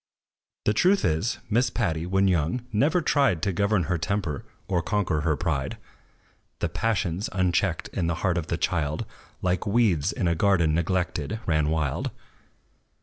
The truth is, Miss Patty, when young, never tried To govern her temper, or conquer her pride. The passions, unchecked in the heart of the child, Like weeds in a garden neglected, ran wild.